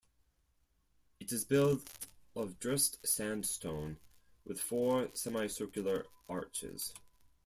It is built of dressed sandstone with four semicircular arches.